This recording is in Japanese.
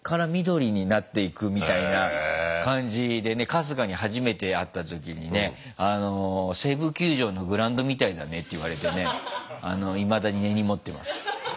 春日に初めて会った時にね「西武球場のグラウンドみたいだね」って言われてねいまだに根に持ってます。